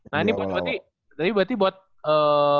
nah ini berarti berarti buat ee